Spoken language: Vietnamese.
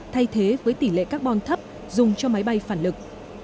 thay thế với tỷ lệ carbon thấp dùng cho máy bay phản lực